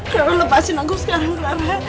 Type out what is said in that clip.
kara lepasin aku sekarang kara